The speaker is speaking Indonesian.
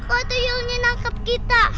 pak tuyul menangkap kita